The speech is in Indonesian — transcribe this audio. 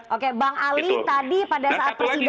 oke bang ali tadi pada saat persidangan